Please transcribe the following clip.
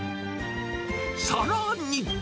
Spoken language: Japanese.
さらに。